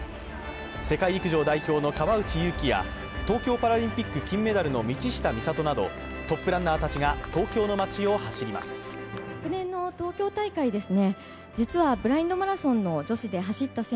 世界陸上代表の川内優輝や東京パラリンピック金メダルの道下美里などトップランナーたちが東京の街を走ります。